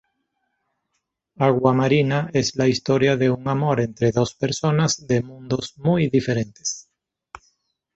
Aguamarina es la historia de un amor entre dos personas de mundos muy diferentes.